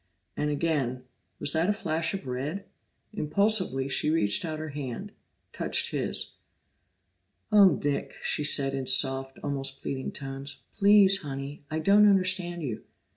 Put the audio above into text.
And again was that a flash of red? Impulsively she reached out her hand, touched his. "Oh, Nick!" she said in soft, almost pleading tones. "Please, Honey I don't understand you.